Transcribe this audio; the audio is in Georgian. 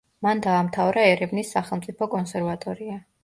მან დაამთავრა ერევნის სახელმწიფო კონსერვატორია.